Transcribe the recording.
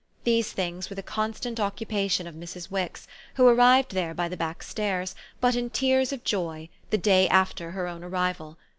These things were the constant occupation of Mrs. Wix, who arrived there by the back stairs, but in tears of joy, the day after her own arrival.